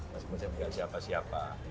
masih muda enggak siapa siapa